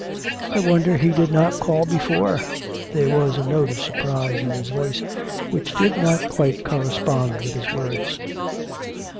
'I wonder he did not call before.' There was a note of surprise in his voice which did not quite correspond with his words.